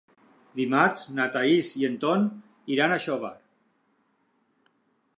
Dimarts na Thaís i en Ton iran a Xóvar.